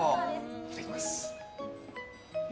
いただきます。